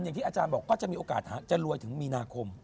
แบบที่อาจารย์บอกก็จะมีโอกาสหรือร้วยถึงมีนาคม